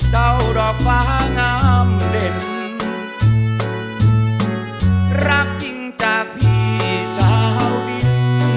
เจ้าดอกฟ้าง้ำเล่นรักทิ้งจากพี่ชาวดิน